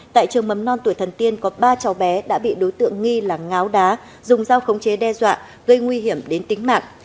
tại trường mầm non tuổi thần tiên có ba cháu bé đã bị đối tượng nghi là ngáo đá dùng dao khống chế đe dọa gây nguy hiểm đến tính mạng